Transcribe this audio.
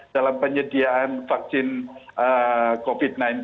dalam penyediaan vaksin covid sembilan belas